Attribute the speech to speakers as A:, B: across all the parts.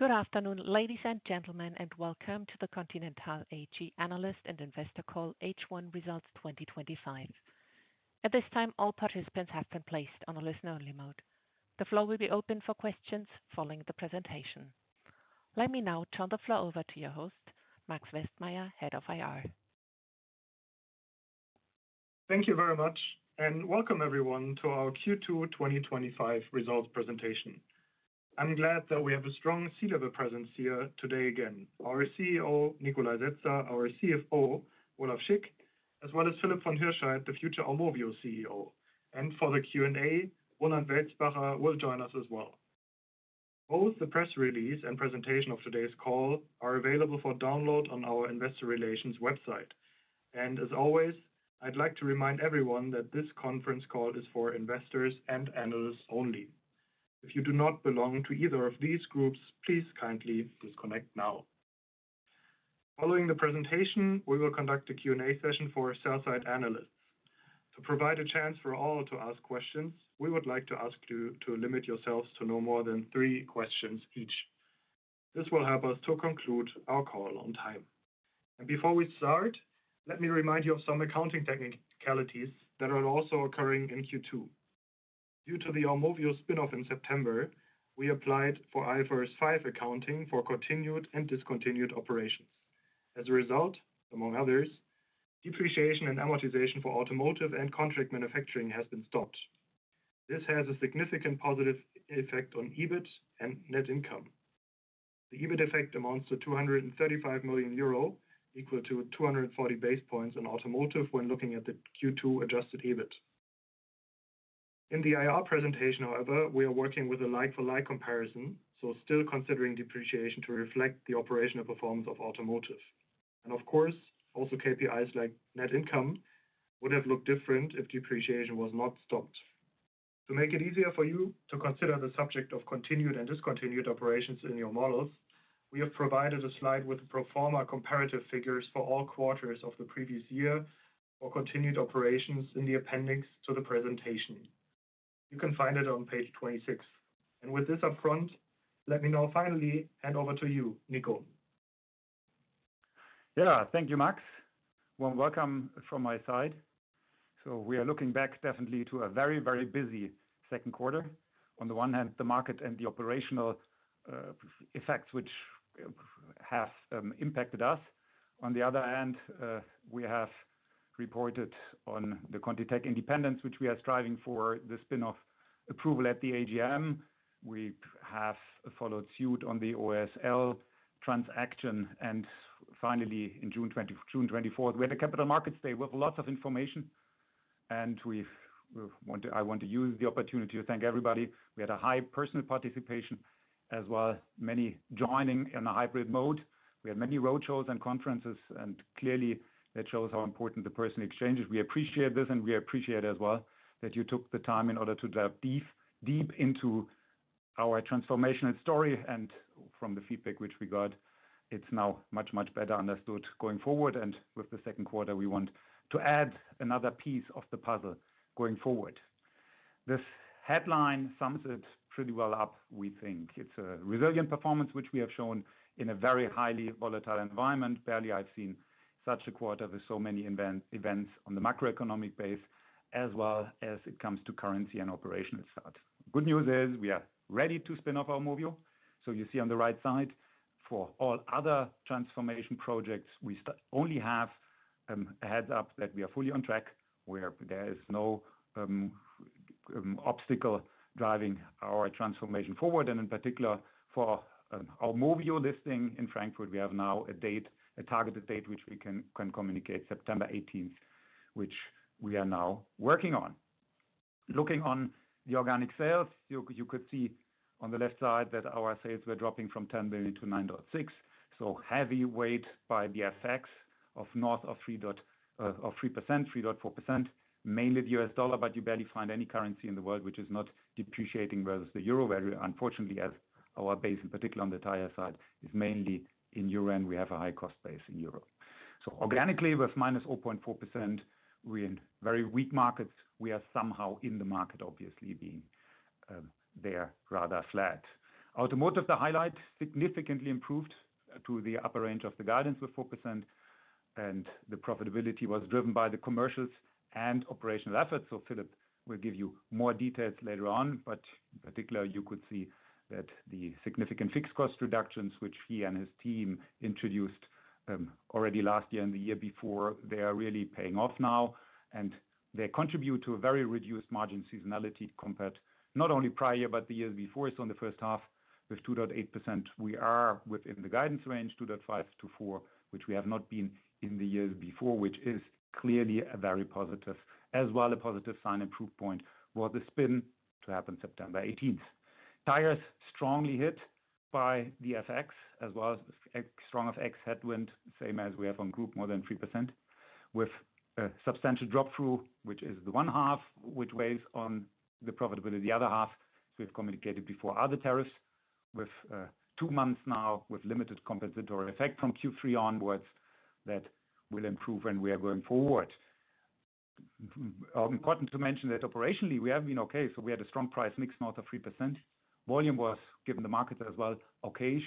A: Good afternoon ladies and gentlemen, and welcome to the Continental AG analyst and investor call H1 results 2025. At this time, all participants have been placed on a listen-only mode. The floor will be open for questions following the presentation. Let me now turn the floor over to your host, Max Westmeyer, Head of IR.
B: Thank you very much and welcome everyone to our Q2 2025 results presentation. I'm glad that we have a strong C-level presence here today. Again, our CEO Nikolai Setzer, our CFO Olaf Schick, as well as Philipp von Hirschheydt, the future Aumovio CEO, and for the Q&A, Roland Welzbacher will join us as well. Both the press release and presentation of today's call are available for download on our Investor Relations website. As always, I'd like to remind everyone that this conference call is for investors and analysts only. If you do not belong to either of these groups, please kindly disconnect now. Following the presentation, we will conduct a Q&A session for sell side analysts. To provide a chance for all to ask questions, we would like to ask you to limit yourselves to no more than three questions each. This will help us to conclude our call on time. Before we start, let me remind you of some accounting technicalities that are also occurring in Q2. Due to the Aumovio spin-off in September, we applied for IFRS 5 accounting for continued and discontinued operations. As a result, among others, depreciation and amortization for Automotive and Contract Manufacturing has been stopped. This has a significant positive effect on EBIT and net income. The EBIT effect amounts to 235 million euro, equal to 240 basis points in Automotive when looking at the Q2 adjusted EBITDA. In the IR presentation, however, we are working with a like-for-like comparison, still considering depreciation to reflect the operational performance of Automotive. Of course, also KPIs like net income would have looked different if depreciation was not stopped. To make it easier for you to consider the subject of continued and discontinued operations in your models, we have provided a slide with the pro forma comparative figures for all quarters of the previous year for continued operations in the appendix to the presentation. You can find it on page 26. With this upfront, let me now finally hand over to you, Niko.
C: Yeah, thank you, Max. Warm welcome from my side. We are looking back definitely to a very, very busy second quarter. On the one hand, the market and the operational effects which have impacted us. On the other hand, we have reported on the ContiTech independence which we are striving for, the spin-off approval at the AGM. We have followed suit on the OSL transaction. Finally, on June 24th, we had a Capital Markets Day with lots of information, and I want to use the opportunity to thank everybody. We had a high personal participation as well, many joining in a hybrid mode. We had many roadshows and conferences, and clearly that shows how important the personal exchange is. We appreciate this, and we appreciate as well that you took the time in order to delve deep into our transformational story. From the feedback which we got, it's now much, much better understood going forward. With the second quarter, we want to add another piece of the puzzle going forward. This headline sums it pretty well up. We think it's a resilient performance which we have shown in a very highly volatile environment. Barely have I seen such a quarter with so many events on the macroeconomic base as well as it comes to currency and operational start. Good news is we are ready to spin off Aumovio. You see on the right side for all other transformation projects, we only have a heads up that we are fully on track where there is no obstacle driving our transformation forward. In particular for our Aumovio listing in Frankfurt, we have now a targeted date which we can communicate: September 18th, which we are now working on. Looking on the organic sales, you could see on the left side that our sales were dropping from 10 billion-9.6 billion. So, heavy weight by the effects of north of 3%, 3.4%, mainly the U.S. dollar, but you barely find any currency in the world which is not depreciating versus the euro value. Unfortunately, as our base in particular on the Tires side is mainly in euro and we have a high cost base in Europe. Organically, with -0.4%, we're in very weak markets. We are somehow in the market, obviously being there, rather flat. Automotive, the highlight significantly improved to the upper range of the guidance with 4%, and the profitability was driven by the commercials and operational efforts. So, Philipp will give you more details later on. In particular, you could see that the significant fixed cost reductions which he and his team introduced already last year and the year before, they are really paying off now and they contribute to a very reduced margin seasonality compared not only prior but the years before. In the first half with 2.8% we are within the guidance range 2.5%-4%, which we have not been in the years before, which is clearly a very positive as well, a positive sign, improve point for the spin to happen September 18th. Tires strongly hit by the FX as well as strong FX headwind, same as we have on group, more than 3% with a substantial drop through, which is the half which weighs on the profitability, the other half. We have communicated before other tariffs with two months now with limited compensatory effect from Q3 onwards that will improve when we are going forward. It's important to mention that operationally we have been okay. We had a strong price mix north of 3%. Volume was, given the markets, as well okayish.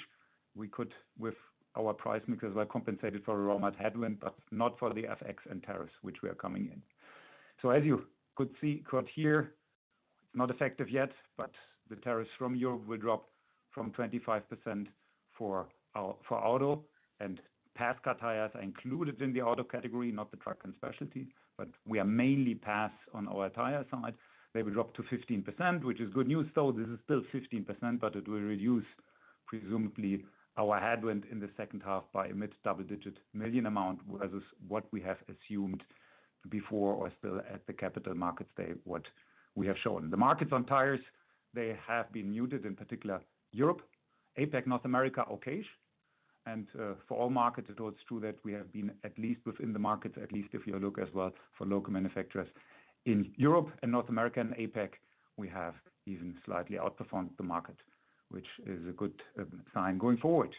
C: We could, with our price mix as well, compensate for a raw mat headwind but not for the FX and tariffs which we are coming in. As you could see, caught here, not effective yet. The tariffs from Europe will drop from 25% for auto and pass car tires are included in the auto category, not the truck and specialty. We are mainly pass on our Tire side. They will drop to 15%, which is good news, though this is still 15%, but it will reduce presumably our headwind in the second half by a mid double digit million amount versus what we have assumed before or still at the Capital Markets Day what we have shown. The markets on tires, they have been muted, in particular Europe, APAC, North America, okayish. For all markets it holds true that we have been at least within the markets, at least if you look as well for local manufacturers in Europe and North America and APEC, we have even slightly outperformed the market, which is a good sign going forward.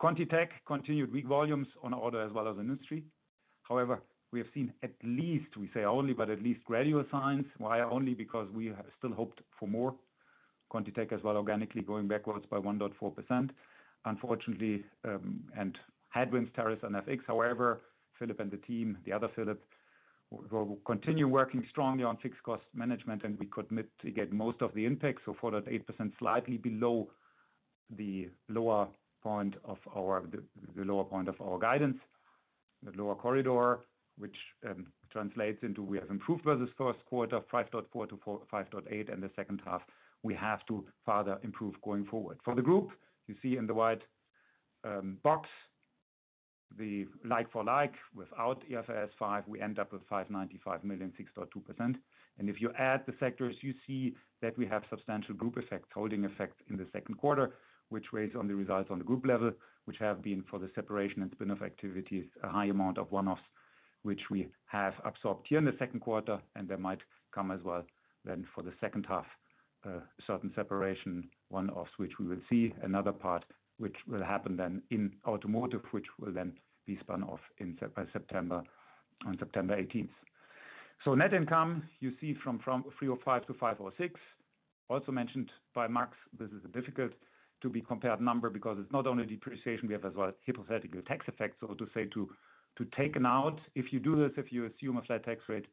C: ContiTech continued weak volumes on order as well as industry. However, we have seen at least, we say only, but at least gradual signs. Why? Only because we still hoped for more, ContiTech as well organically going backwards by 1.4% unfortunately, and headwinds, tariffs on FX. However, Philipp and the team, the other Philipp, will continue working strongly on fixed cost management, and we could mitigate to get most of the intake. 4.8% is slightly below the lower point of our guidance, the lower corridor, which translates into we have improved versus first quarter, 5.4%-5.8%, and the second half we have to further improve going forward. For the group, you see in the white box the like-for-like without IFRS 5, we end up with 595 million, 6.2%, and if you add the sectors, you see that we have substantial group effects, holding effects in the second quarter, which weighs on the results on the group level, which have been for the separation and spin-off activities, a high amount of one-offs, which we have absorbed here in the second quarter, and they might come as well then for the second half, certain separation one-off, which we will see. Another part which will happen then in Automotive, which will then be spun off on September 18th. Net income, you see from 305 million-506 million, also mentioned by Max. This is a difficult to be compared number because it's not only depreciation, we have as well a hypothetical tax effect, so to say, to take out. If you do this, if you assume a flat tax rate,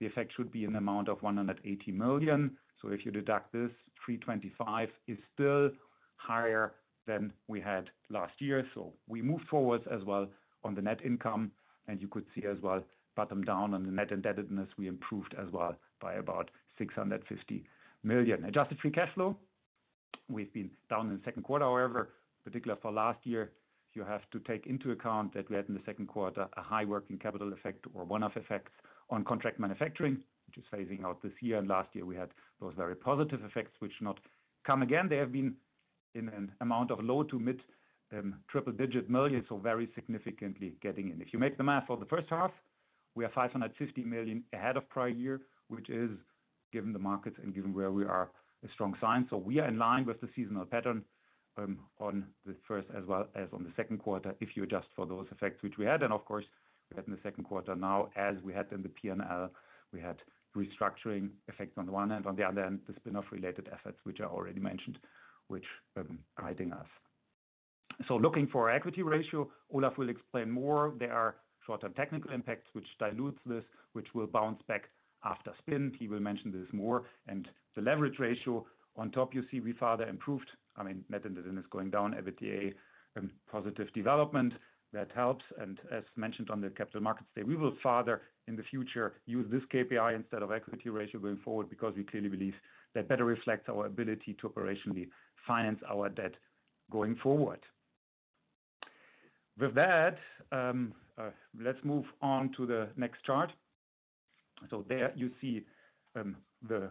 C: the effect should be an amount of 180 million. If you deduct this, 325 million is still higher than we had last year. We moved forward as well on the net income. You could see as well, bottom down on the net indebtedness, we improved as well by about 650 million. Adjusted free cash flow, we've been down in the second quarter. However, particularly for last year, you have to take into account that we had in the second quarter a high working capital effect or one-off effect on contract manufacturing, which is phasing out this year. Last year we had those very positive effects, which do not come again. They have been in an amount of low to mid triple-digit million, so very significantly getting in. If you make the math for the first half, we are 550 million ahead of prior year which is, given the markets and given where we are, a strong sign. We are in line with the seasonal pattern on the first as well as on the second quarter if you adjust for those effects which we had. Of course, in the second quarter now, as we had in the P&L, we had restructuring effects on the one hand. On the other hand, the spin-off related efforts which I already mentioned, which guiding us. Looking for equity ratio, Olaf will explain more. There are short-term technical impacts which dilute this, which will bounce back after spin. He will mention this more. The leverage ratio on top, you see we further improved, I mean net indebtedness going down, EBITDA positive development. That helps. As mentioned on the Capital Markets Day, we will further in the future use this KPI instead of equity ratio going forward because we clearly believe that better reflects our ability to operationally finance our debt going forward. With that, let's move on to the next chart. There you see the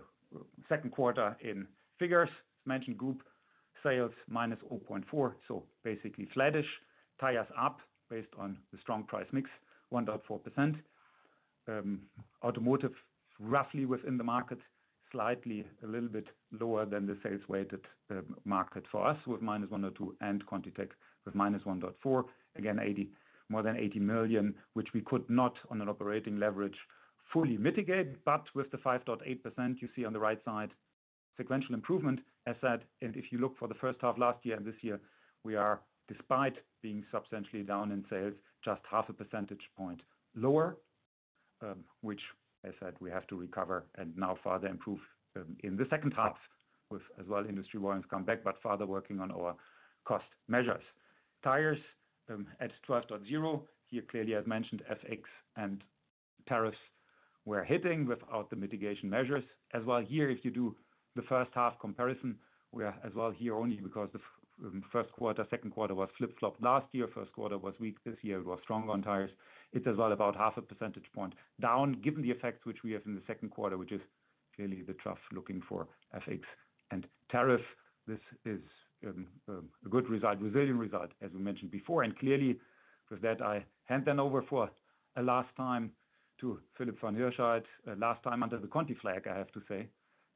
C: second quarter in figures mentioned, group sales -0.4%. Basically flattish, Tires up based on the strong price mix 1.4%, Automotive roughly within the market, slightly a little bit lower than the sales-weighted market for us with -1.2%, and ContiTech with -1.4%, again more than $80 million which we could not on an operating leverage fully mitigate. With the 5.8% you see on the right side, sequential improvement as said, and if you look for the first half last year and this year, we are, despite being substantially down in sales, just half a percentage point lower, which I said we have to recover and now further improve in the second half with as well industry volumes come back but further working on our cost measures. Tires at 12.0%, here clearly I've mentioned FX and tire tariffs were hitting without the mitigation measures. As well here, if you do the first half comparison, we are as well here only because the first quarter, second quarter was flip flop. Last year first quarter was weak, this year it was stronger on tariffs, it's as well about half a percentage point down. Given the effects which we have in the second quarter, which is clearly the trough looking for FX and tariff, this is a good result, resilient result as we mentioned before. With that, I hand over for a last time to Philipp von Hirschheydt, last time under the Conti flag, I have to say,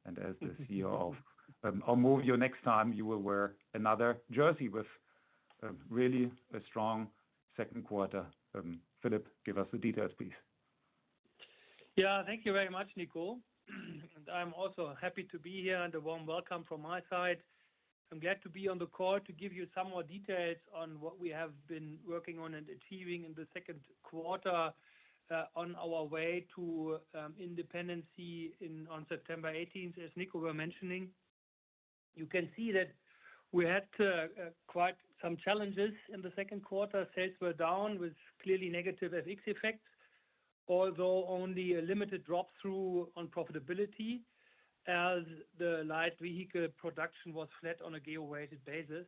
C: and as the CEO of Aumovio, next time you will wear another jersey with really a strong second quarter. Philipp, give us the details please.
D: Yeah, thank you very much, Niko. I'm also happy to be here and a warm welcome from my side. I'm glad to be on the call to give you some more details on what we have been working on and achieving in the second quarter on our way to independency on September 18th, as Niko was mentioning. You can see that we had quite some challenges in the second quarter. Sales were down with clearly negative FX effects, although only a limited drop through on profitability as the light vehicle production was flat on a year-weighted basis.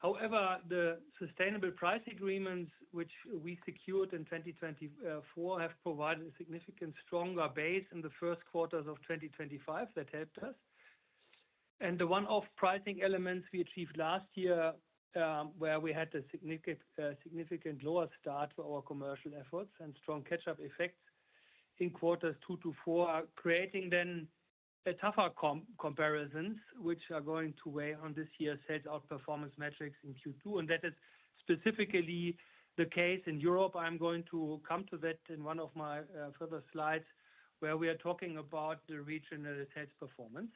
D: However, the sustainable price agreements which we secured in 2024 have provided a significantly stronger base in the first quarters of 2025. That helped us. And the one-off pricing elements we achieved last year, where we had a significantly lower start for our commercial efforts and strong catch-up effects in quarters two to four, are creating tougher comparisons which are going to weigh on this year's sales outperformance metrics in Q2, and that is specifically the case in Europe. I'm going to come to that in one of my further slides where we are talking about the regional sales performance.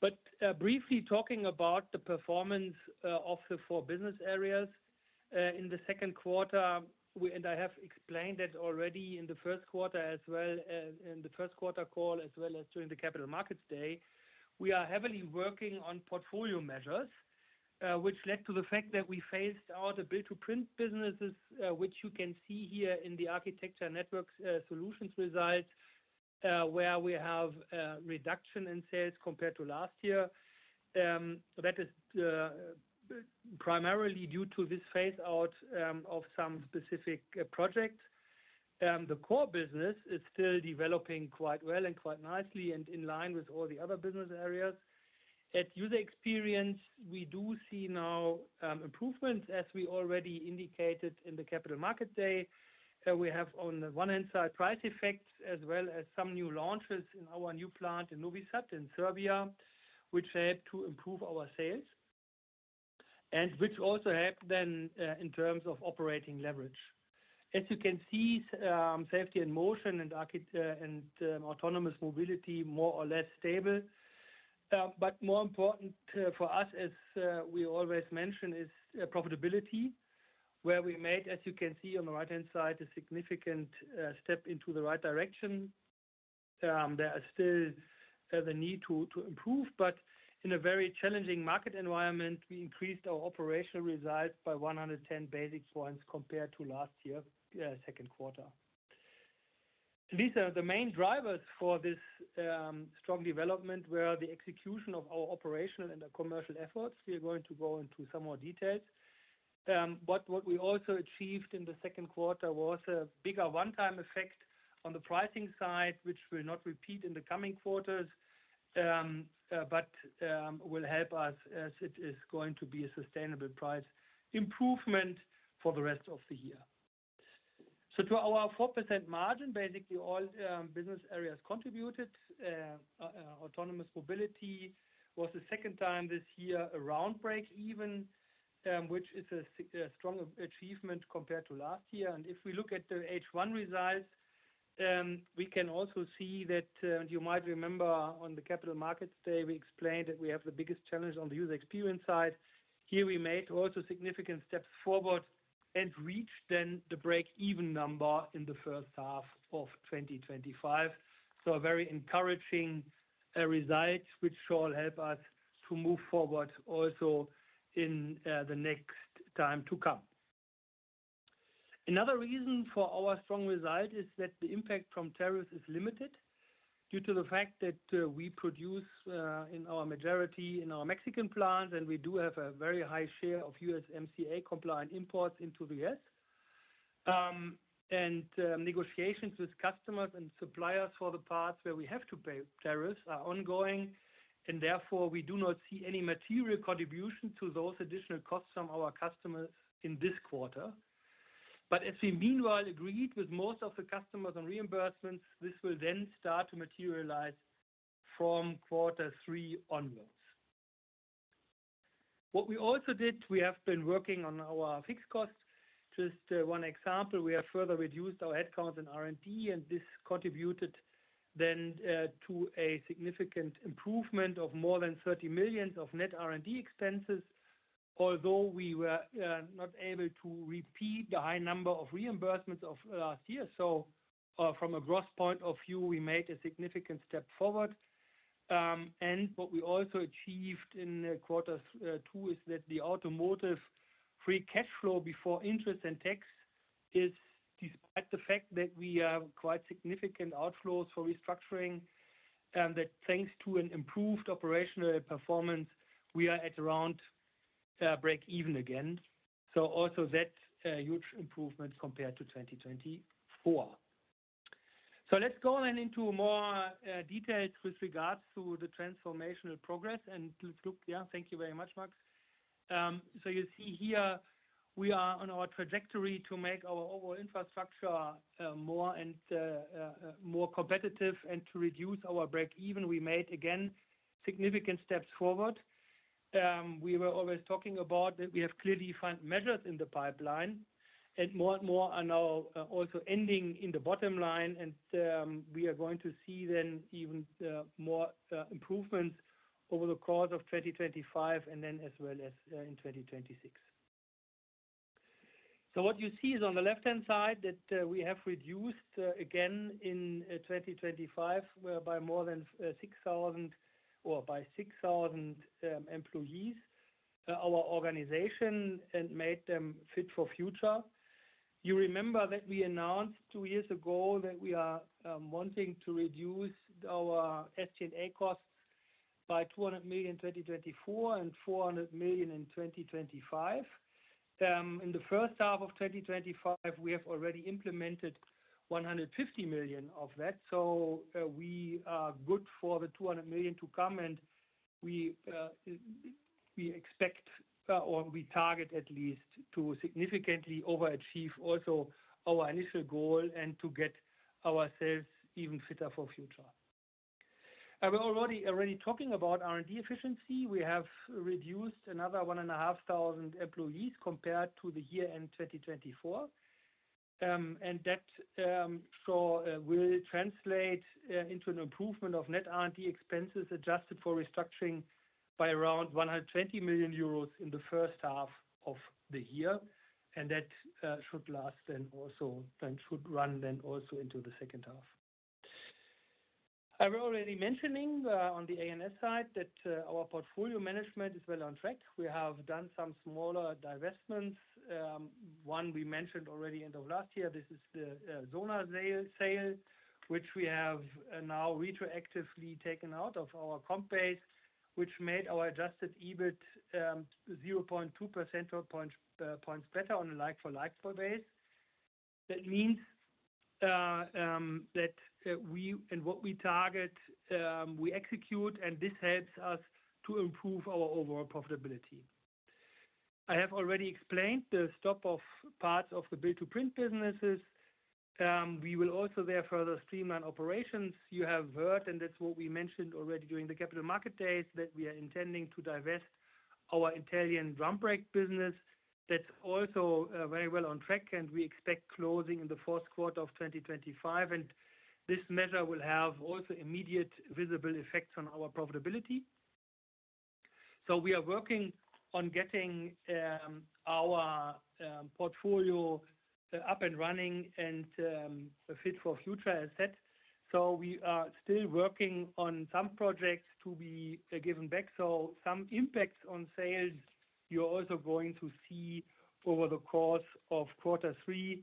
D: But briefly talking about the performance of the four business areas in the second quarter, and I have explained that already in the first quarter call as well as during the Capital Markets Day. We are heavily working on portfolio measures which led to the fact that we phased out a build-to-print business, which you can see here in the Architecture Network Solutions result, where we have a reduction in sales compared to last year. That is primarily due to this phase-out of some specific projects. The core business is still developing quite well and quite nicely and in line with all the other business areas. At User Experience, we do see now improvements as we already indicated in the Capital Markets Day. We have on the one hand side price effects as well as some new launches in our new plant in Novi Sad in Serbia, which help to improve our sales and which also helped then in terms of operating leverage. As you can see, Safety and Motion and Autonomous Mobility more or less stable, but more important for us, as we always mention, is profitability where we made, as you can see on the right-hand side, a significant step into the right direction. There is still the need to improve, but in a very challenging market environment we increased our operational results by 110 basis points compared to last year's second quarter. These are the main drivers for this strong development were the execution of our operational and commercial efforts. We are going to go into some more details, but what we also achieved in the second quarter was a bigger one-time effect on the pricing side, which will not repeat in the coming quarters but will help us as it is going to be a sustainable price improvement for the rest of the year. To our 4% margin, basically all business areas contributed. Autonomous Mobility was the second time this year around break-even, which is a strong achievement compared to last year. If we look at the H1 results, we can also see that you might remember on the Capital Markets Day we explained that we have the biggest challenge on the user experience side here. We made also significant steps forward and reached the break-even number in the first half of 2025. Very encouraging results which shall help us to move forward also in the next time to come. Another reason for our strong result is that the impact from tariffs is limited due to the fact that we produce in our majority in our Mexican plants and we do have a very high share of USMCA compliant imports into the U.S. And negotiations with customers and suppliers for the parts where we have to pay tariffs are ongoing. Therefore, we do not see any material contribution to those additional costs from our customers in this quarter. As we meanwhile agreed with most of the customers on reimbursement, this will then start to materialize from quarter three onwards. What we also did, we have been working on our fixed cost. Just one example, we have further reduced our headcounts in R&D, and this contributed then to a significant improvement of more than 30 million of net R&D expenses, although we were not able to repeat the high number of reimbursements of last year. From a gross point of view, we made a significant step forward. What we also achieved in quarter two is that the Automotive free cash flow before interest and tax is, despite the fact that we have quite significant outflows for restructuring and that thanks to an improved operational performance, we are at around break even again. That is a huge improvement compared to 2024. Let's go then into more details with regards to the transformational progress and let's look. Yeah, thank you very much, Max. You see here we are on our trajectory to make our overall infrastructure more competitive and to reduce our break even. We made again significant steps forward. We were always talking about that. We have clearly found measures in the pipeline and more and more are now also ending in the bottom line. We are going to see then even more improvements over the course of 2025 and then as well as in 2026. What you see is on the left-hand side that we have reduced again in 2025 by more than 6,000 or by 6,000 employees our organization and made them fit for future. You remember that we announced two years ago that we are wanting to reduce our SGA costs by 200 million in 2024 and 400 million in 2025. In the first half of 2025, we have already implemented 150 million of that. We are good for the 200 million to come and we expect or we target at least to significantly overachieve also our initial goal and to get ourselves even fitter for future. We're already talking about R&D efficiency. We have reduced another 1,500 employees compared to the year end 2024. That will translate into an improvement of net R&D expenses adjusted for restructuring by around 120 million euros in the first half of the year. That should last and should run also into the second half. I have already mentioned on the Architecture Network Solutions side that our portfolio management is well on track. We have done some smaller divestments. One we mentioned already at the end of last year, this is the Zona sale which we have now retroactively taken out of our comp base, which made our adjusted EBIT 0.2% or 0.5 points better on a like-for-like base. That means that we and what we target, we execute, and this helps us to improve our overall profitability. I have already explained the stop of parts of the build-to-print businesses. We will also there further streamline operations. You have heard, and that's what we mentioned already during the Capital Market Days, that we are intending to divest our Italian drum brake business. That is also very well on track, and we expect closing in the fourth quarter of 2025, and this measure will have also immediate visible effects on our profitability. We are working on getting our portfolio up and running and fit for future asset. We are still working on some projects to be given back, so some impacts on sales. You are also going to see over the course of quarter three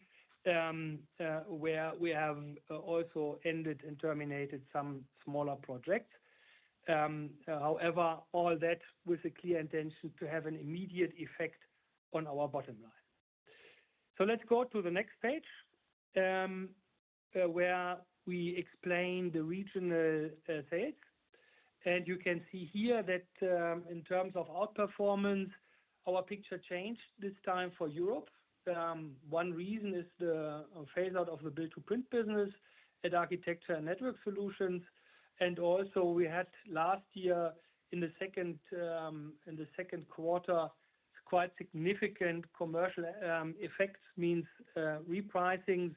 D: where we have also ended and terminated some smaller projects. However, all that with a clear intention to have an immediate effect on our bottom line. Let's go to the next page where we explain the regional sales, and you can see here that in terms of outperformance, our picture changed this time for Europe. One reason is the phase-out of the build-to-print business at Architecture Network Solutions. Also, we had last year in the second quarter quite significant commercial effects, meaning repricings,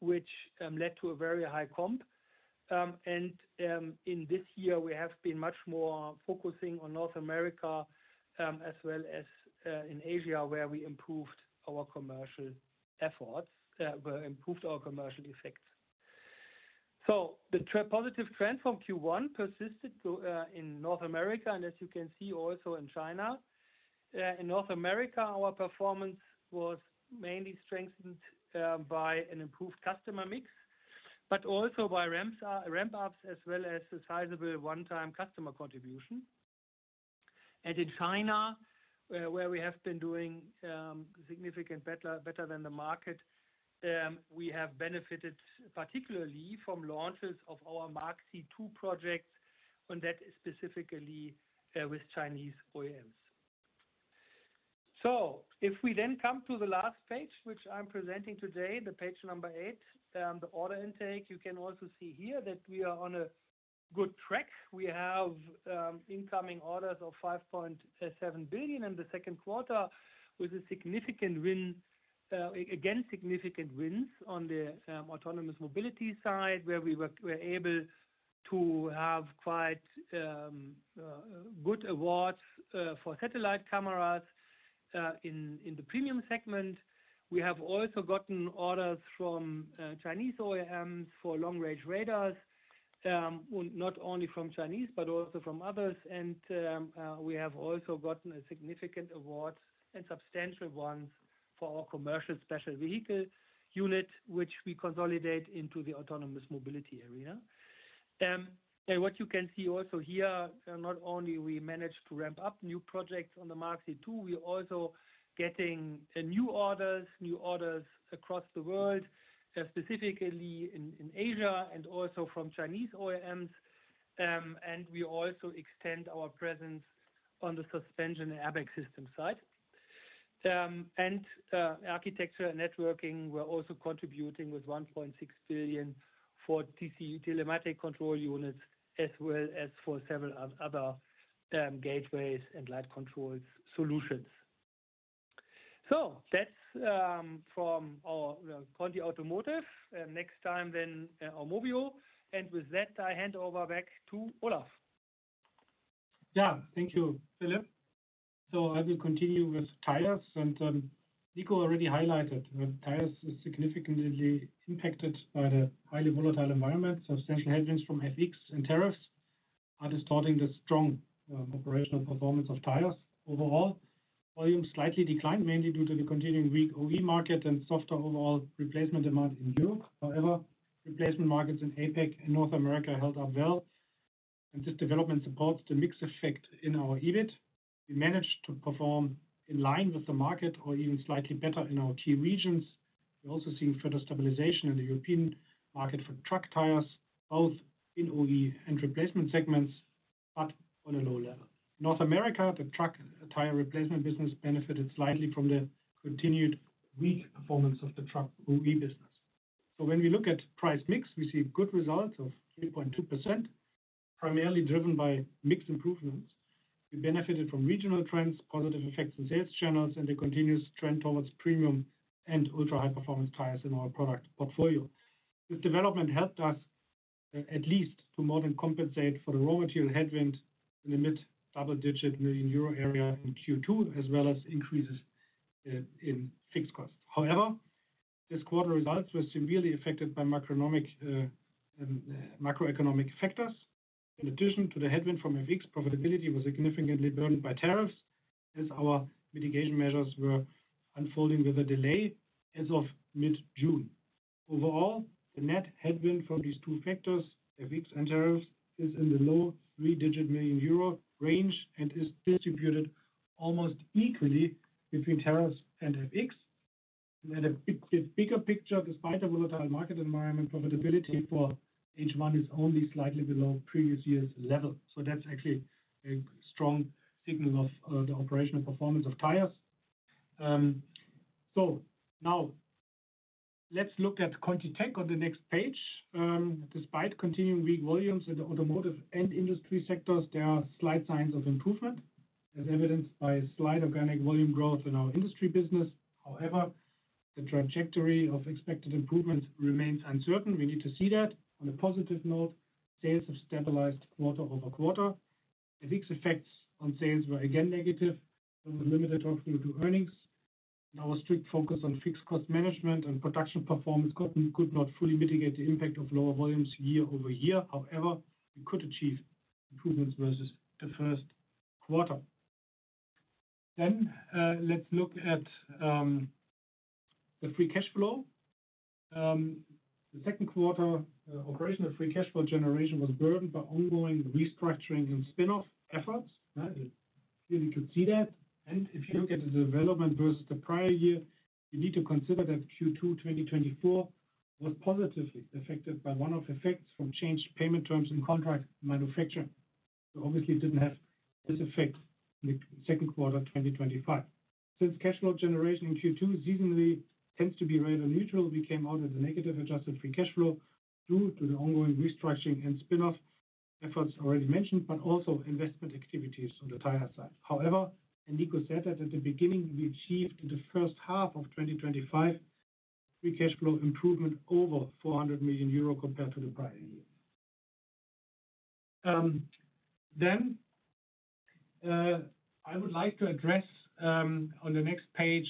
D: which led to a very high comp. In this year, we have been much more focusing on North America as well as in Asia, where we improved our commercial efforts, improved our commercial effects. The positive trend from Q1 persisted in North America, and as you can see also in China. In North America, our performance was mainly strengthened by an improved customer mix, but also by ramp-ups as well as a sizable one-time customer contribution. In China, where we have been doing significantly better than the market, we have benefited particularly from launches of our MK C2 integrated brake system projects, and that is specifically with Chinese OEMs. If we then come to the last page which I'm presenting today, page number eight, the order intake. You can also see here that we are on a good track. We have incoming orders of 5.7 billion in the second quarter with significant wins, again significant wins on the Autonomous Mobility side where we were able to have quite good awards for satellite cameras in the premium segment. We have also gotten orders from Chinese OEMs for long range radars, not only from Chinese but also from others. We have also gotten significant awards and substantial ones for our commercial special vehicle unit which we consolidate into the Autonomous Mobility arena. What you can see also here, not only have we managed to ramp up new projects on the MK C2 integrated brake system, we are also getting new orders across the world, specifically in Asia and also from Chinese OEMs. We also extend our presence on the suspension, ABAC system side, and architecture and networking. We're also contributing with 1.6 billion for TCU, Telematic Control Units as well as for several other gateways and Light Control Solutions. That's from our Continental Automotive, next time then our Aumovio, and with that I hand over back to Olaf.
E: Thank you, Philipp. I will continue with Tires and Nico already highlighted Tires is significantly impacted by the highly volatile environment. Substantial headwinds from FX and tariffs are distorting the strong operational performance of Tires. Overall volumes slightly declined, mainly due to the continuing weak OE market and softer overall replacement demand in Europe. However, replacement markets in APAC and North America held on well and this development supports the mix effect. In our EBIT we managed to perform in line with the market or even slightly better in our T regions. We're also seeing further stabilization in the European market for truck tires, both in OE and replacement segments, but on a low level. In North America, the truck tire replacement business benefited slightly from the continued weak performance of the truck OE business. When we look at price mix, we see good results of 8.2% primarily driven by mix improvements. We benefited from regional trends, positive effects in sales channels, and the continuous trend towards premium and ultra high performance tires in our product portfolio. This development helped us at least to more than compensate for the raw material headwind in the mid double digit million euro area in Q2 as well as increases in fixed costs. However, this quarter results were severely affected by macroeconomic factors. In addition to the headwind from FX, profitability was significantly burdened by tariffs as our mitigation measures were unfolding with a delay as of mid June. Overall, the net headwind for these two factors, FX and tariffs, is in the low 3 digit million euro range and is distributed almost equally between tariffs and FX. The bigger picture is despite the volatile market environment, profitability for H1 is only slightly below previous year's level. That's actually a strong signal of the operational performance of Tires. Now let's look at ContiTech on the next page. Despite continuing weak volumes in the Automotive and industry sectors, there are slight signs of improvement as evidenced by slight organic volume growth in our industry business. However, the trajectory of expected improvements remains uncertain. We need to see that on a positive note, sales have stabilized quarter over quarter. The FX effects on sales were again negative from the limited of due earnings. Now, a strict focus on fixed cost management and production performance could not fully mitigate the impact of lower volumes year-over-year. However, we could achieve improvements versus the first quarter. Let's look at the free cash flow. The second quarter operational free cash flow generation was burdened by ongoing restructuring and spin-off efforts. Here we could see that, and if you look at the development versus the prior year, you need to consider that Q2 2024 was positively affected by one-off effects from changed payment terms in contract manufacture. Obviously, we didn't have this effect in the second quarter 2025. Since cash flow generation in Q2 seasonally tends to be rather neutral, we came out of the negative adjusted free cash flow due to the ongoing restructuring and spin-off efforts already mentioned, but also investment activities on the Tires side. However, Enrico said that at the beginning. We achieved in the first half of. 2025 free cash flow improvement over 400 million euro compared to the prior year. Then. I would like to address on the next page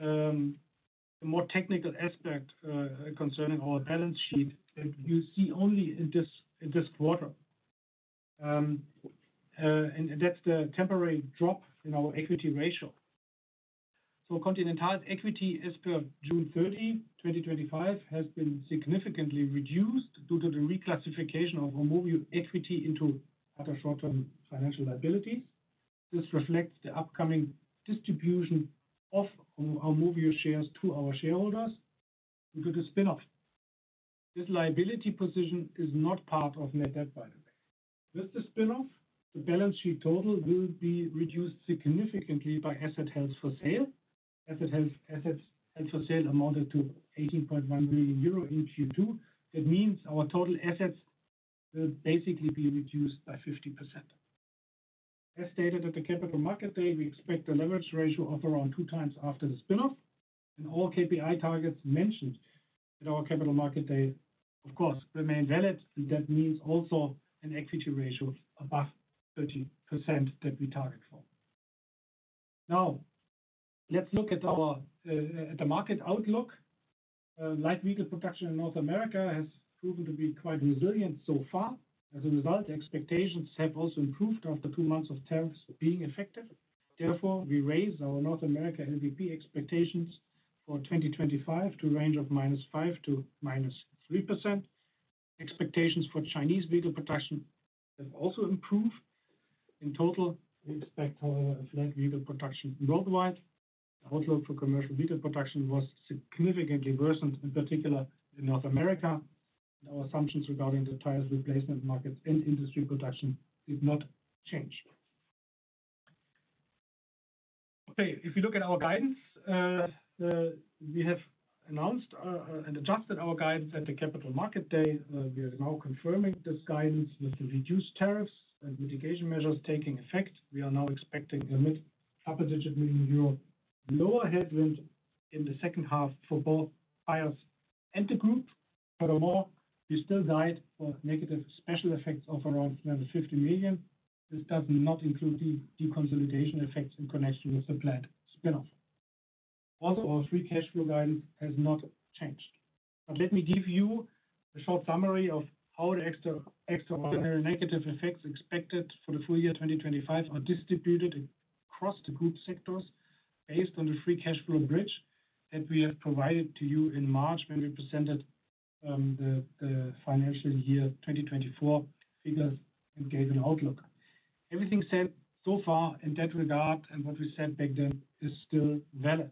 E: a more technical aspect concerning our balance sheet that you see only in this quarter, and that's the temporary drop in our equity ratio. So Continental equity as per June, 30th, 2025 has been significantly reduced due to the reclassification of Aumovio's equity into other short-term financial liabilities. This reflects the upcoming distribution of Aumovio's shares to our shareholders due to the spin-off. This liability position is not part of net debt. By the way, with the spin-off, the balance sheet total will be reduced significantly by asset held for sale. Assets held for sale amounted to 18.1 billion euro in Q2. That means our total assets will basically be reduced by 50%. As stated at the Capital Market Day, we expect the leverage ratio of around 2x after the spin-off, and all KPI targets mentioned in our Capital Market Day of course remain valid. That means also an equity ratio above 30% that we target for. Now let's look at the market outlook. Light vehicle production in North America has proven to be quite resilient so far. As a result, expectations have also improved after two months of tariffs being effective. Therefore, we raise our North America LVP expectations for 2025 to a range of -5% to -3%. Expectations for Chinese vehicle production have also improved. In total, we expect our flag vehicle production worldwide outlook for commercial vehicle production was significantly worsened. In particular, in North America, our assumptions regarding the Tires replacement markets and industry production did not change. If you look at our guidance, we have announced and adjusted our guidance at the Capital Market Day. We are now confirming this guidance. With the reduced tariffs and mitigation measures taking effect, we are now expecting a mid-digit million euro lower headwind in the second half for both OEs and the group. Furthermore, you still guide for negative special effects of around 50 million. This does not include the deconsolidation effects in connection with the planned spin-off. Our free cash flow guidance has not changed. Let me give you a short summary of how the extraordinary negative effects expected for the full year 2025 are distributed across the group sectors based on the free cash flow bridge that we have provided to you in March when we presented the financial year 2024 figures and gave an outlook. Everything said so far in that regard and what we said back there is still valid.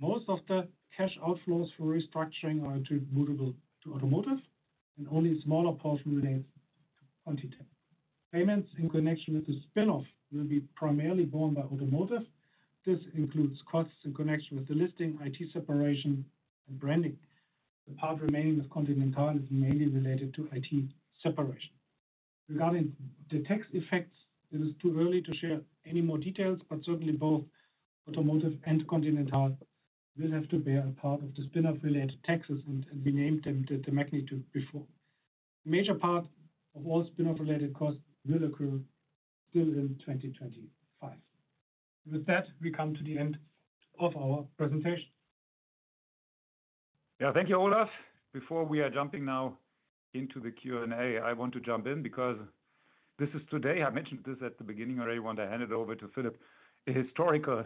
E: Most of the cash outflows for restructuring are attributable to Automotive, and only smaller post new days. Payments in connection with the spin-off will be primarily borne by Automotive. This includes costs in connection with the listing, IT separation, and branding. The part remaining with Continental is mainly related to IT separation. Regarding the tax effects, it is too early to share any more details, but certainly both Automotive and Continental will have to bear a part of the spin-off related taxes and rename them the magnitude before. Major part of all spin-off related costs will occur still in 2025. With that, we come to the end of our presentation.
C: Yeah, thank you, Olaf. Before we are jumping now into the Q&A, I want to jump in because this is today. I mentioned this at the beginning already when I hand it over to Philipp, a historical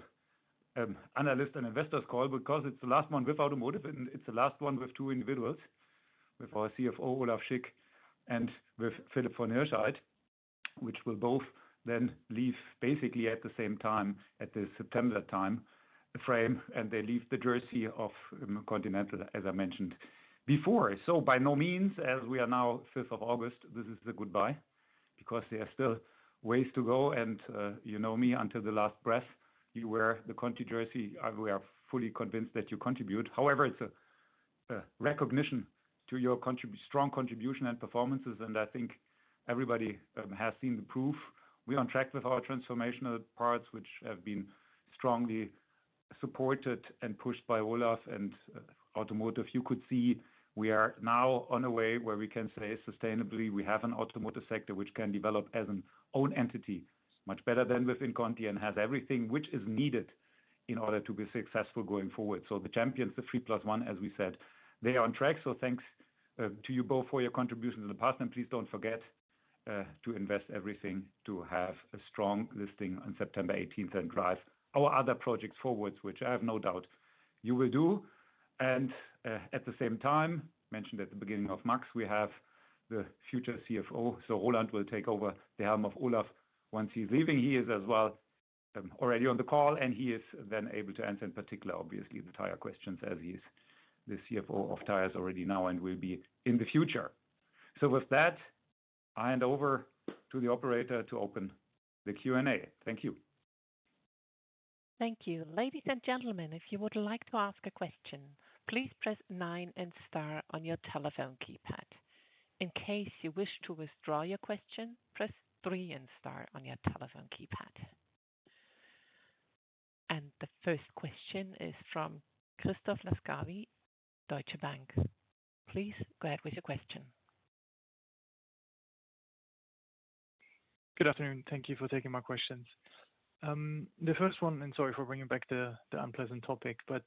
C: analyst and investors call because it's the last one with Automotive and it's the last one with two individuals, with our CFO Olaf Schick and with Philipp von Hirschheydt, which will both then leave basically at the same time at the September time frame and they leave the jersey of Continental as I mentioned before. By no means as we are now 5th of August, this is the goodbye because there are still ways to go and you know me until the last breath. You wear the Conti jersey and we are fully convinced that you contribute. However, it's a recognition to your strong contribution and performances and I think everybody has seen the proof. We are on track with our transformational parts which have been strongly supported and pushed by Olaf and Automotive. You could see we are now on a way where we can say sustainably we have an Automotive sector which can develop as an own entity much better than within Conti and has everything which is needed in order to be successful going forward. The champions, the three plus one as we said, they are on track. Thanks to you both for your contributions in the past. Please don't forget to invest everything to have a strong listing on September 18th and drive our other projects forwards, which I have no doubt you will do. At the same time, mentioned at the beginning by Max, we have the future CFO. Roland will take over the helm of Olaf once he's leaving. He is as well already on the call and he is then able to answer in particular obviously the tire questions, as he is the CFO of Tires already now and will be in the future. With that I hand over to the operator to open the Q&A. Thank you.
A: Thank you. Ladies and gentlemen, if you would like to ask a question, please press nine and star on your telephone keypad. In case you wish to withdraw your question, press three and star on your telephone keypad. The first question is from Christoph Laskawi, Deutsche Bank. Please go ahead with your question.
F: Good afternoon. Thank you for taking my questions. The first one, and sorry for bringing back the unpleasant topic, but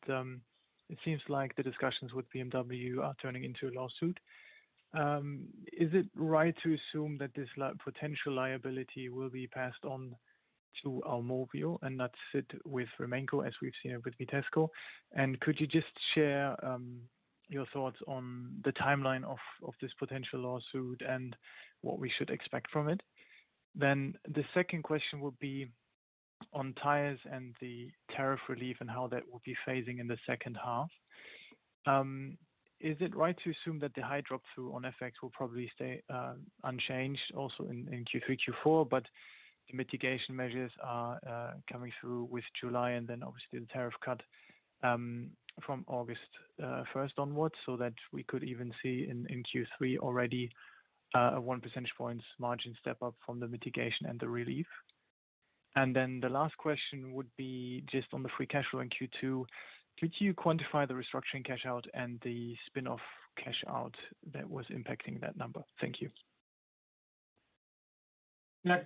F: it seems like the discussions with BMW are turning into a lawsuit. Is it right to assume that this potential liability will be passed on to Aumovio and not sit with Remenko as we've seen it with Vitesco? Could you just share your thoughts on the timeline of this potential lawsuit and what we should expect from it? The second question would be on Tires and the tariff relief and how that will be phasing in the second half. Is it right to assume that the high drop through on FX will probably stay unchanged also in Q3, Q4, but the mitigation measures are coming through with July and obviously the tariff cut from August 1st onwards, so that we could even see in Q3 already a 1% margin step up from the mitigation and the relief? The last question would be just on the free cash flow in Q2. Could you quantify the restructuring cash out and the spin-off cash out that was impacting that number? Thank you.
E: I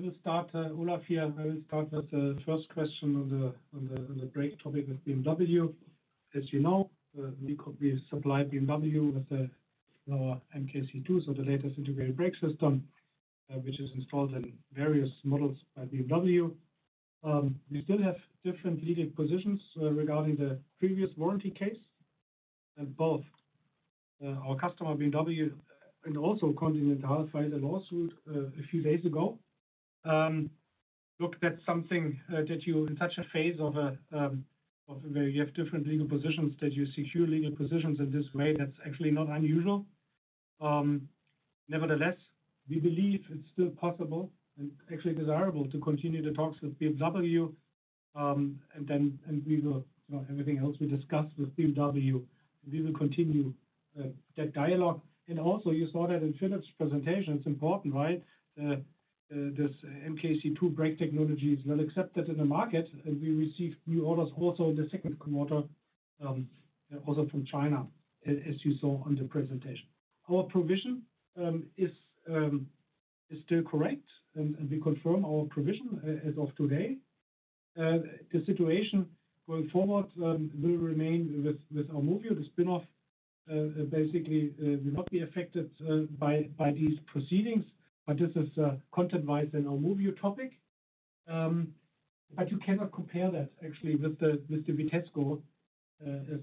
E: will start, Olaf here. I will start with the first question on the topic of BMW. As you know, we supply BMW with the lower MK C2, so the latest integrated brake system which is installed in various models by BMW. We still have different leading positions regarding the previous warranty case and both our customer BMW and also Continental filed a lawsuit a few days ago. Look, that's something that you touch a phase of where you have different legal positions that you secure legal positions in this way. That's actually not unusual. Nevertheless, we believe it's still possible and actually desirable to continue the talks with BMW and then everything else we discussed with BMW, we will continue that dialogue. You saw that in Philip's presentation, it's important, right? This MK C2 brake technology is well accepted in the market and we receive new orders also in the second quarter, also from China as you saw in the presentation. Our provision is still correct and we confirm our provision as of today. The situation going forward will remain with Aumovio. The spin-off basically will not be affected by these proceedings. This is content wise an Aumovio topic. You cannot compare that actually with the Vitesco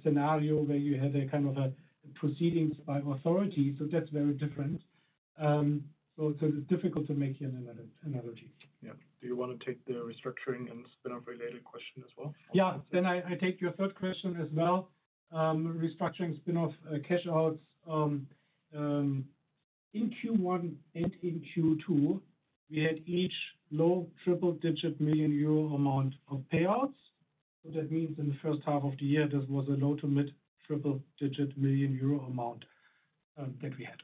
E: scenario where you had a kind of proceedings by authority. That is very different. It is difficult to make here analogies.
B: Yeah. Do you want to take the restructuring in the spin-off related question as well?
E: Yeah. I take your third question as well. Restructuring, spin-off, cash outs. In Q1 and in Q2 we had each low triple-digit million euro amount of payouts. That means in the first half of the year this was a low to mid triple-digit million euro amount that we had.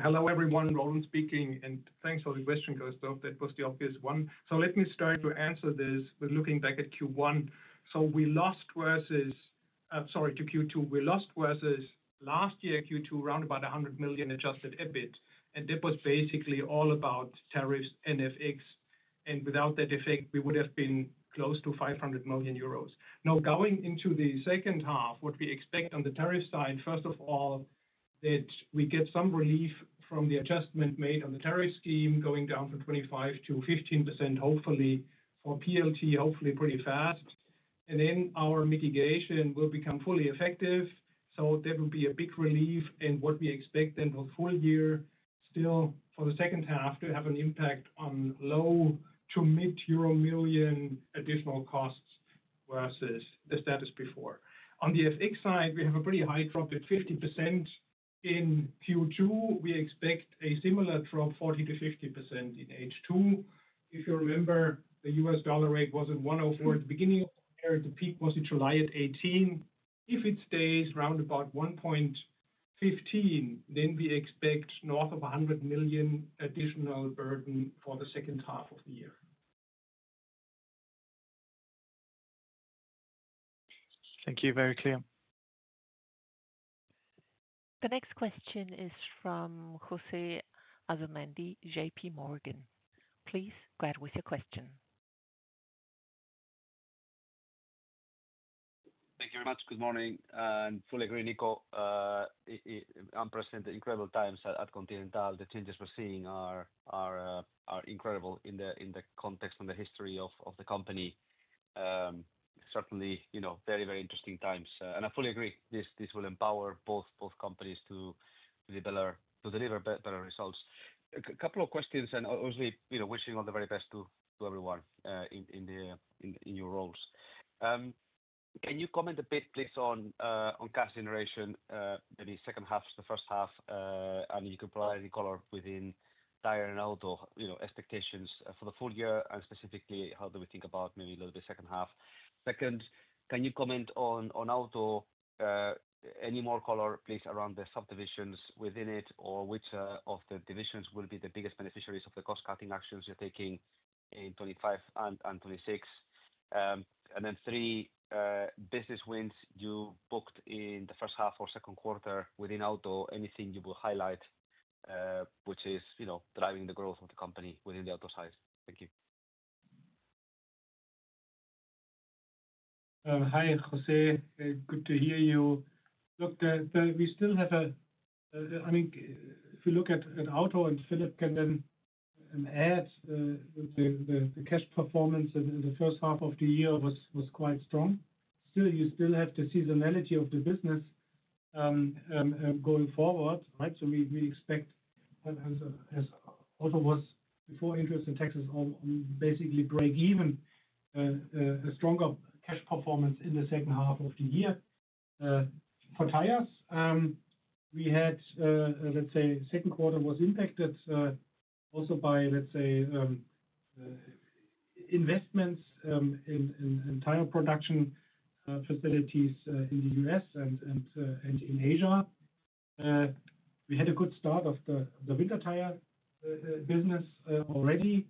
G: Hello everyone, Roland speaking and thanks for the question, Christoph. That was the obvious one. Let me start to answer this with looking back at Q2. We lost versus last year Q2 around about 100 million adjusted EBIT and it was basically all about tariffs and FX, and without that effect we would have been close to 500 million euros. Now going into the second half, what we expect on the tariff side, first of all, is that we get some relief from the adjustment made on the tariff scheme going down from 25%-15% hopefully, or PLT hopefully pretty fast, and then our mitigation will become fully effective. That will be a big relief. What we expect then for the full year still for the second half could have an impact on low to mid euro million additional costs versus the status before. On the FX side we have a pretty high drop at 50% in Q2. We expect a similar drop, 40%-50% in H2. If you remember, the U.S. dollar rate was at 1.04 at the beginning. The peak was in July at 1.18. If it stays round about 1.15, then we expect north of 100 million additional burden for the second half of the year.
F: Thank you. Very clear.
A: The next question is from José Asumendi, JPMorgan. Please go ahead with your question.
H: Thank you very much. Good morning and fully agree, Nico. I'm presenting incredible times at Continental. The changes we're seeing are incredible in the context and the history of the company. Certainly very, very interesting times and I fully agree this will empower both companies to deliver better results. A couple of questions and obviously, you know, wishing all the very best to everyone in your roles. Can you comment a bit please on cash generation in the second half and the first half, and if you could provide any color within Tires and Auto, you know, expectations for the full year and specifically how do we think about maybe a little bit second half. Second. Can you comment on Auto, any more color please around the subdivisions within it or which of the divisions will be the biggest beneficiaries of the cost cutting actions you're taking in 2025 and 2026, and then three, business wins you booked in the first half or second quarter within Auto? Anything you will highlight which is, you know, driving the growth of the company within the Auto side. Thank you.
E: Hi José, good to hear you. If we look at Auto, and Philipp can then add the cash performance. In the first half of the year was quite strong. Still, you still have the seasonality of the business. Going forward. We expect also, before interest and taxes, basically break even, a stronger cash performance in the second half of the year. For Tires, the second quarter was impacted also by investments in tire production facilities in the U.S. and in Asia. We had a good start of the winter tire business already,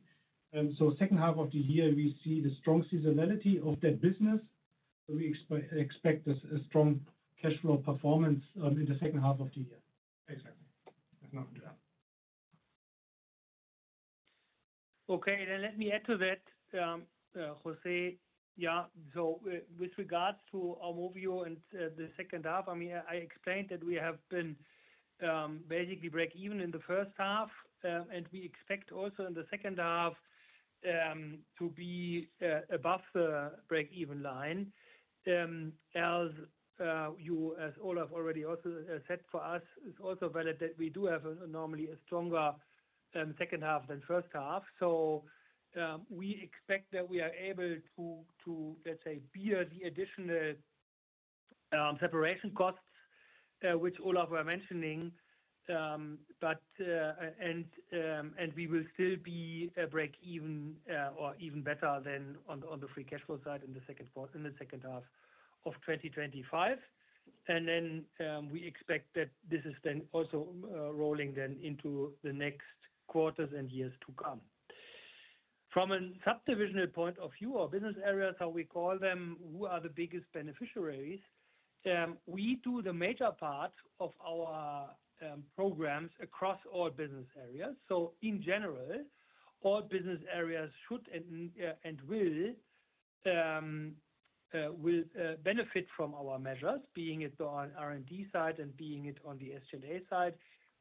E: and in the second half of the year we see the strong seasonality of that business. We expect a strong cash flow performance in the second half of the year.
C: Okay, then let me add to that, José. Yeah. With regards to our Aumovio in the second half, I explained that we have been basically break even in the first half and we expect also in the second half to be above the break even line. As Olaf already said, for us, it's also valid that we do have normally a stronger second half than first half. We expect that we are able to, let's say, beat the additional separation costs which Olaf was mentioning and we will still be break even or even better than on the free cash flow side in the second half of 2025. We expect that this is then also rolling into the next quarters and years to come. From a subdivisional point of view, our business areas, how we call them, who are the biggest beneficiaries, we do the major part of our programs across all business areas. In general, all business areas should and will benefit from our measures, being it on R&D side and being it on the SGA side.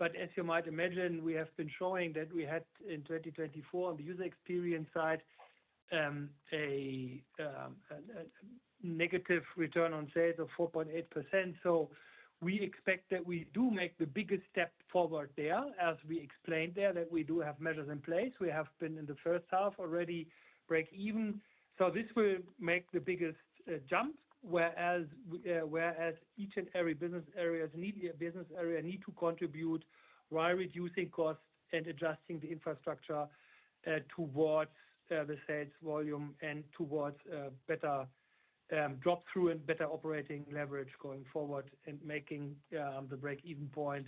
C: As you might imagine, we have been showing that we had in 2024 on the user experience side a negative return on sales of 4.8%. We expect that we do make the biggest step forward there. As we explained, we do have measures in place. We have been in the first half already break even. This will make the biggest jump, whereas each and every business area needs to contribute while reducing costs and adjusting the infrastructure towards the sales volume and towards better drop through and better operating leverage going forward, making the break even point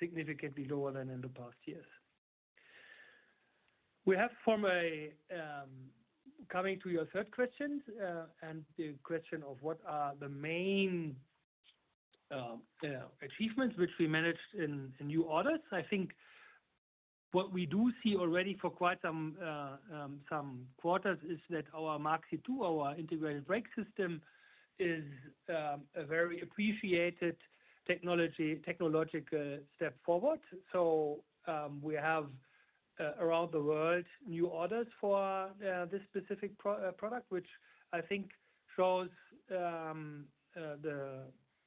C: significantly lower. In the past years. Coming to your third question and the question of what are the main achievements which we managed in new audits. I think what we do see already for quite some quarters is that our MK C2 integrated brake system is a very appreciated technological step forward. We have around the world new orders for this specific product, which I think shows the,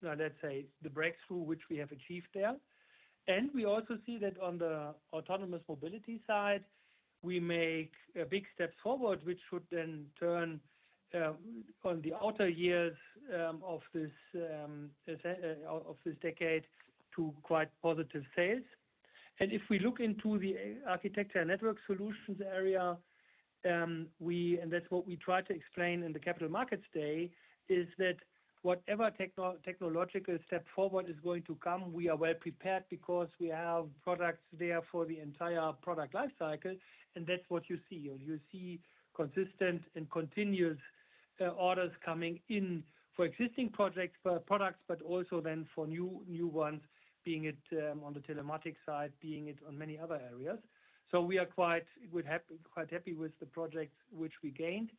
C: let's say, the breakthrough which we have achieved there. We also see that on the Autonomous Mobility Solutions side we make big steps forward, which should then turn on the outer years of this decade to quite positive sales. If we look into the Architecture Network Solutions area, and that's what we try to explain in the Capital Markets Day, whatever technological step forward is going to come, we are well prepared because we have products there for the entire product life cycle. That's what you see. You see consistent and continuous orders coming in for existing products, but also then for new ones, being it on the telematics side, being it on many other areas. We are quite happy with the project which we gained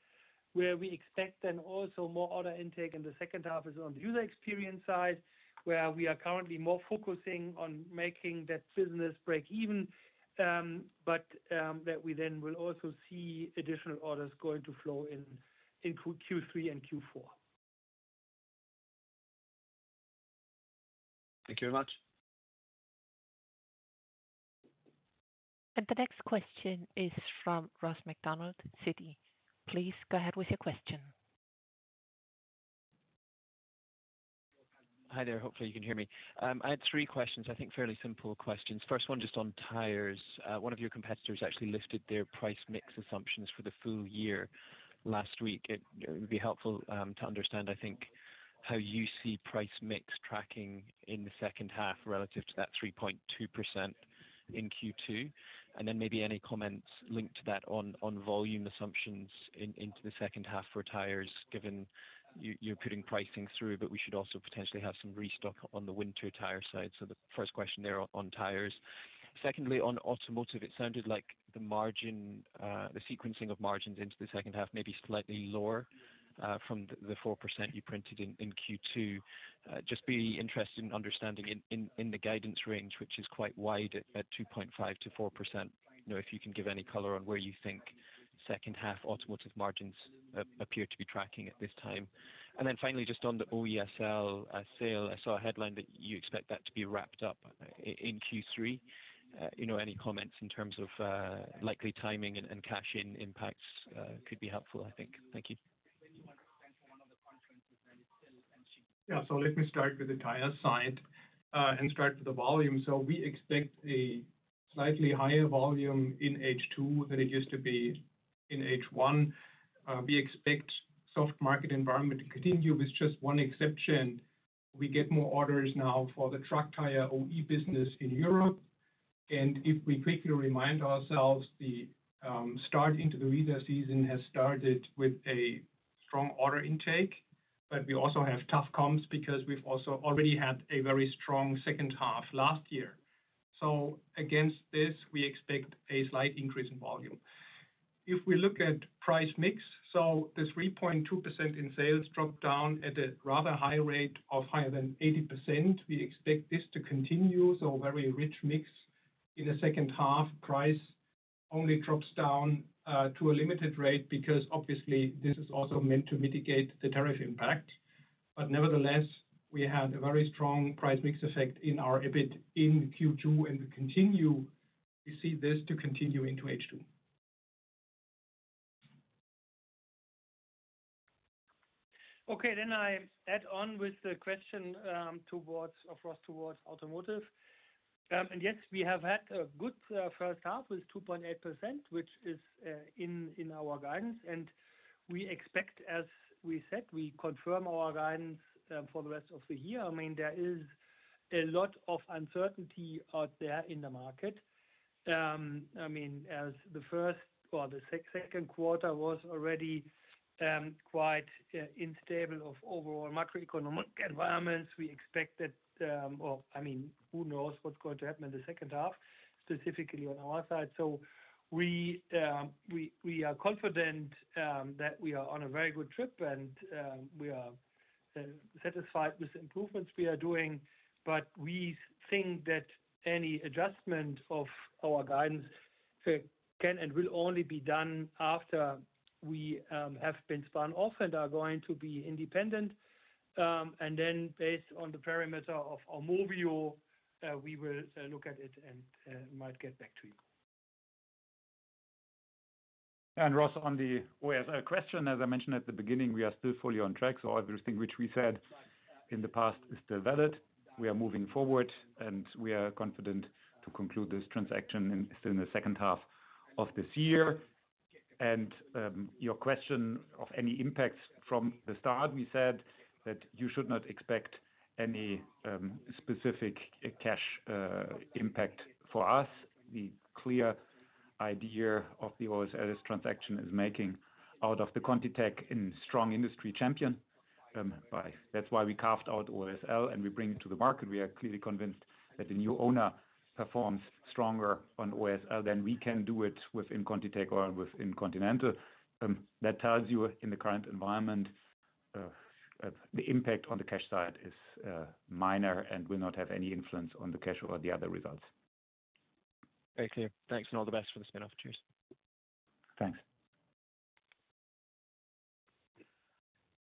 C: where we expect then also more order intake in the second half is on the user experience side where we are currently more focusing on making that business break even. We then will also see additional orders going to flow in Q3 and Q4.
H: Thank you very much.
A: The next question is from Ross MacDonald, Citi. Please go ahead with your question.
I: Hi there, hopefully you can hear me. I had three questions. I think fairly simple questions. First one, just on Tires, one of your competitors actually lifted their price mix assumptions for the full year last week. It would be helpful to understand how you see price mix tracking in the second half relative to that 3.2% in Q2, and then maybe any comments linked to that on volume assumptions into the second half for Tires given you're putting pricing through. We should also potentially have some restock on the winter tire side. The first question there on Tires. Secondly, on Automotive, it sounded like the margin, the sequencing of margins into the second half may be slightly lower from the 4% you printed in Q2. Just be interested in understanding in the guidance range, which is quite wide at 2.5%-4%, if you can give any color on where you think second half Automotive margins appear to be tracking at this time. Finally, just on the OSL sale, I saw a headline that you expect that to be wrapped up in Q3. Any comments in terms of likely timing and cash-in impacts could be helpful I think. Thank you.
E: Thanks for one of the comments. Yeah. Let me start with the tire side and start with the volume. We expect a slightly higher volume in H2 than it used to be in H1. We expect soft market environment to continue with just one exception. We get more orders now for the truck tire OE business in Europe. If we quickly remind ourselves, the start into the retail season has started with a strong order intake, but we also have tough comps because we've also already had a very strong second half last year. Against this, we expect a slight increase in volume. If we look at price mix, the 3.2% in sales dropped down at a rather high rate of higher than 80%. We expect this to continue. Very rich mix in the second half, price only drops down to a limited rate because obviously this is also meant to mitigate the tariff impact. Nevertheless, we had a very strong price mix effect in our EBIT in Q2 and we continue, we see this to continue into H2.
D: Okay, then I add on with the question towards Automotive. Yes, we have had a good first half with 2.8% which is in our guidance, and we expect, as we said, we confirm our guidance for the rest of the year. There is a lot of uncertainty out there in the market. As the first or the second quarter was already quite unstable of overall macroeconomic environments, we expect that. Who knows what's going to happen in the second half specifically on our side. We are confident that we are on a very good trip and we are satisfied with improvements we are doing. We think that any adjustment of our guidance can and will only be done after we have been spun off and are going to be independent. Then based on the parameter of Aumovio, we will look at it. I might get back to that it.
C: Again on the OSL question, as I mentioned at the beginning, we are still fully on track. Everything which we said in the past is still valid. We are moving forward and we are confident to conclude this transaction still in the second half of this year. Your question of any impacts from the start, we said that you should not expect any specific cash impact. For us, the clear idea of the OSL transaction is making out of ContiTech a strong industry champion. That's why we carved out OSL and we bring it to the market. We are clearly convinced that the new owner performs stronger on OSL than we can do within ContiTech or within Continental. That tells you in the current environment the impact on the cash side is minor and will not have any influence on the cash or the other results.
I: Okay, thanks. All the best for the spin-off. Cheers.
C: Thanks.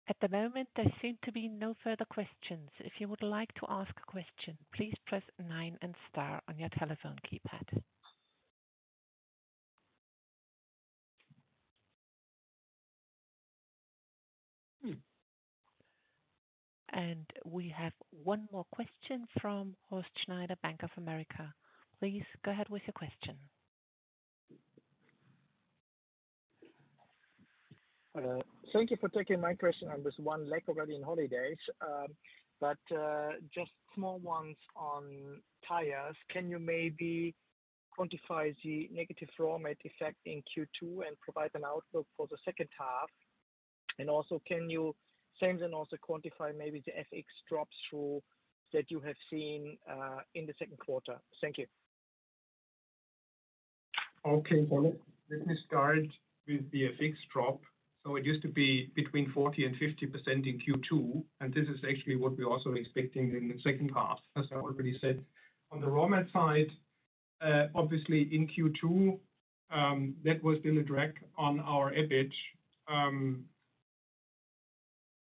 A: At the moment, there seem to be no further questions. If you would like to ask a question, please press nine and star on your telephone keypad. We have one more question from Horst Schneider, Bank of America. Please go ahead with your question.
J: Thank you for taking my question on this one. Already in holidays, but just small ones on Tires. Can you maybe quantify the negative raw mat effect in Q2 and provide an outlook for the second half? Also, can you then also quantify maybe the FX drop-through that you have seen in the second quarter? Thank you.
E: Okay, let me start with the FX drop. It used to be between 40% and 50% in Q2, and this is actually what we're also expecting in the second half as I already said. On the raw map side, obviously in Q2 that was still a drag on our EBIT,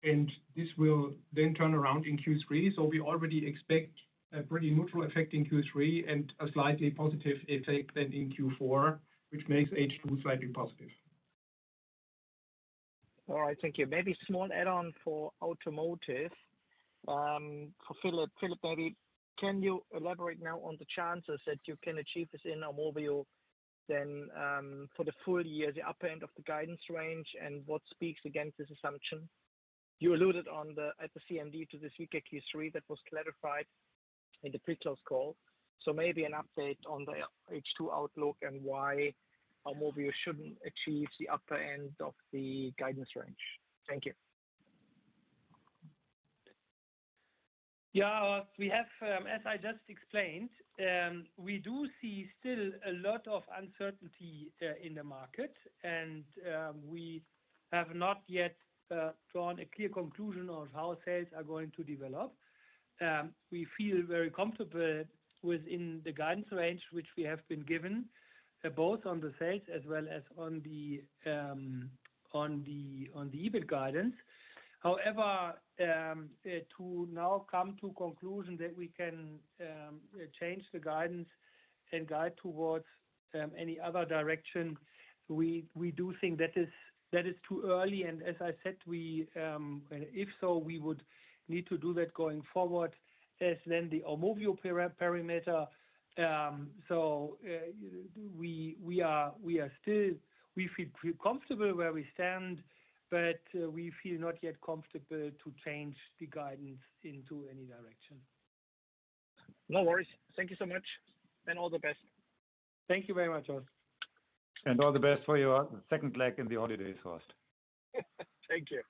E: and this will then turn around in Q3. We already expect a pretty neutral effect in Q3 and a slightly positive effect in Q4, which makes H2 slightly positive.
J: All right, thank you. Maybe small add-on for Automotive for Philipp. Philipp maybe can you elaborate now on the chances that you can achieve this in Aumovio then for the full year, the upper end of the guidance range? What speaks against this assumption? You alluded at the IPCMD to this was clarified in the pre-close call. Maybe an update on the H2 outlook and why Aumovio shouldn't achieve the upper end of the guidance range. Thank you.
D: Yeah, as I just explained, we do see still a lot of uncertainty in the market and we have not yet drawn a clear conclusion of how sales are going to develop. We feel very comfortable within the guidance range which we have been given both on the sales as well as on the EBIT guidance. However, to now come to a conclusion that we can change the guidance and guide towards any other direction, we do think that is too early. As I said, if so, we would need to do that going forward as then the Aumovio parameter. We still feel comfortable where we stand, but we feel not yet comfortable to change the guidance into any direction.
J: No worries. Thank you so much, and all the best.
D: Thank you very much, Horst.
C: And all the best for your second leg in the holidays, Horst.
J: Thank you.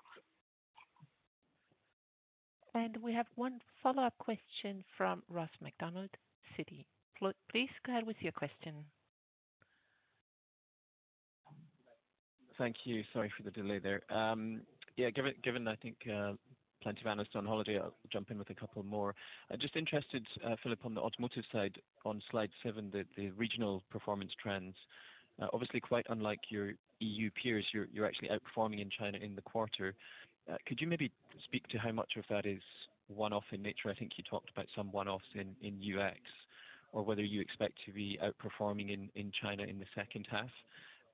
A: And we have one follow-up question from Ross MacDonald, Citi. Please go ahead with your question.
I: Thank you. Sorry for the delay there. Given I think plenty of analysts on holiday, I'll jump in with a couple more. I'm just interested, Philipp, on the Automotive side on slide seven, the regional performance trends obviously quite unlike your EU peers, you're actually outperforming in China in the quarter. Could you maybe speak to how much of that is one off in nature? I think you talked about some one offs in UX or whether you expect to be outperforming in China in the second half,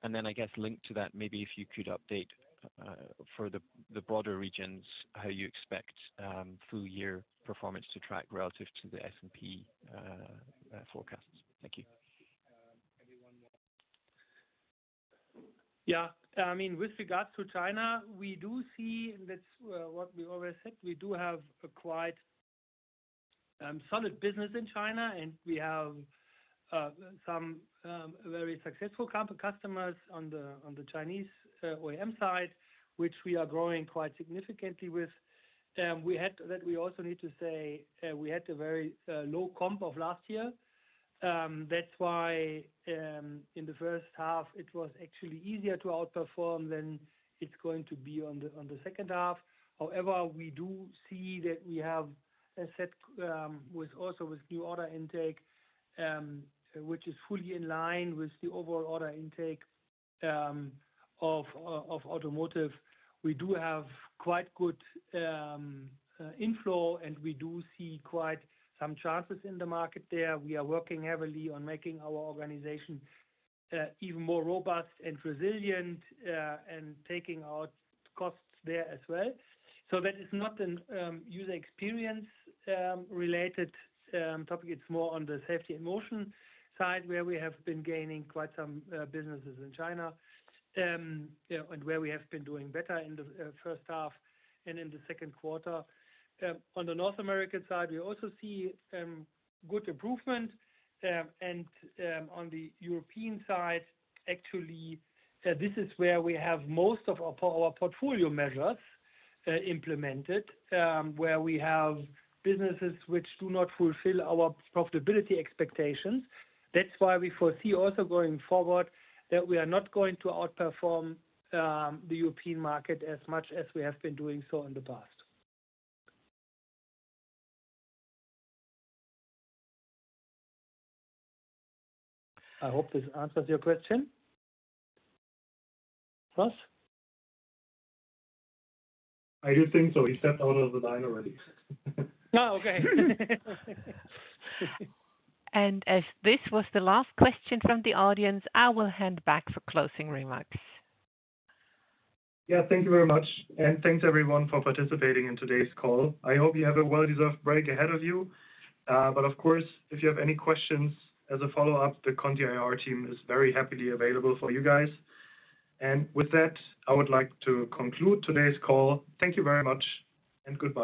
I: and then I guess linked to that, maybe if you could update for the broader regions how you expect full year performance to track relative to the S&P forecasts. Thank you.
D: Yeah, I mean with regards to China, we do see, and that's what we already said, we do have a quite solid business in China and we have some very successful customers on the Chinese OEM side which we are growing quite significantly with. We had that. We also need to say we had a very low comp of last year. That's why in the first half it was actually easier to outperform than it's going to be in the second half. However, we do see that we have a set with also with new order intake which is fully in line with the overall order intake of Automotive. We do have quite good inflow and we do see quite some chances in the market there. We are working heavily on making our organization even more robust and resilient and taking out costs there as well. That is not a User Experience related topic. It's more on the Safety and Motion side where we have been gaining quite some businesses in China and where we have been doing better in the first half, and in the second quarter. On the North American side we also see good improvement. On the European side, actually this is where we have most of our portfolio measures implemented, where we have businesses which do not fulfill our profitability expectations. That's why we foresee also going forward that we are not going to outperform the European market as much as we have been doing so in the past.
C: I hope this answers your question. Horst?
I: I do think so. He stepped out of the line already.
D: Okay.
A: As this was the last question from the audience, I will hand back for closing remarks.
B: Yeah. Thank you very much and thanks everyone for participating in today's call. I hope you have a well-deserved break ahead of you. But, of course, if you have any questions as a follow up, the Conti IR team is very happily available for you guys. With that, I would like to conclude today's call. Thank you very much and goodbye.